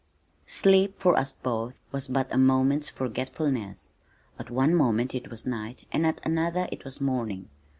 Sleep for us both was but a moment's forgetfulness. At one moment it was night and at another it was morning.